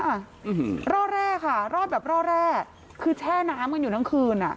อืมร่อแร่ค่ะรอดแบบร่อแร่คือแช่น้ำกันอยู่ทั้งคืนอ่ะ